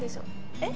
えっ？